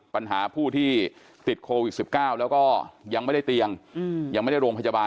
ปัญหาผู้ที่ติดโควิด๑๙แล้วก็ยังไม่ได้เตียงยังไม่ได้โรงพยาบาล